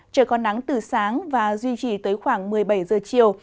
trời có nắng từ sáng và duy trì tới khoảng một mươi bảy giờ chiều